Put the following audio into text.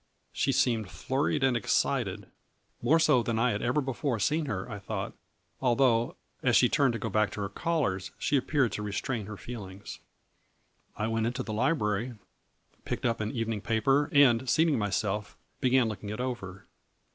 She seemed flurried and excited, more so than I had ever before seen her, I thought, although, as she turned to go back to her callers, she appeared to restrain her feelings. I went into the library, picked up an evening paper and seating myself began looking it over.